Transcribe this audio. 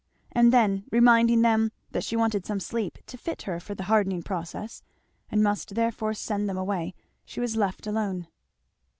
And then reminding them that she wanted some sleep to fit her for the hardening process and must therefore send them away, she was left alone.